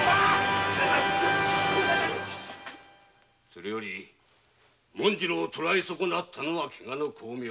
それより紋次郎を捕え損なったはケガの功名。